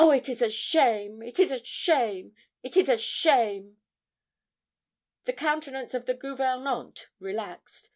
it is a shame it is a shame it is a shame!' The countenance of the gouvernante relaxed.